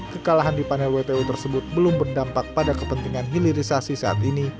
kekalahan di panel wto tersebut belum berdampak pada kepentingan hilirisasi saat ini